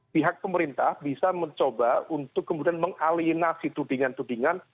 pihak pemerintah bisa mencoba untuk kemudian mengaliinasi tudingan tudingan